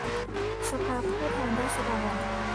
สภาผู้แทนราษฏร